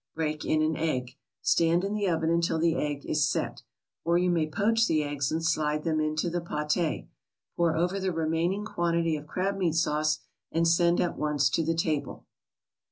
Break in an egg. Stand in the oven until the egg is "set." Or you may poach the eggs and slide them into the pate. Pour over the remaining quantity of crabmeat sauce, and send at once to the table.